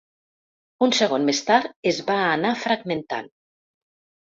Un segon més tard es va anar fragmentant.